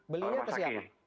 belinya ke siapa